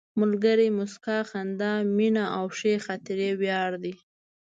ملګري، موسکا، خندا، مینه او ښې خاطرې وړیا دي.